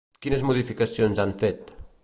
Quines modificacions han fet?